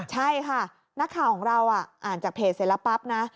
ใช่ค่ะนักข่าวของเราอ่านจากเพจเสร็จแล้วปั๊บนะ